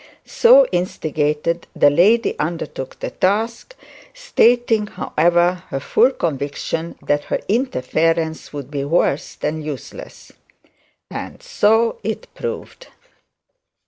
So instigated, the lady undertook the task, stating, however, her full conviction that her interference would be worse than useless. And so it proved.